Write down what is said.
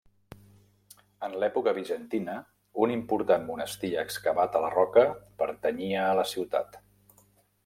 En l'època bizantina, un important monestir excavat a la roca pertanyia a la ciutat.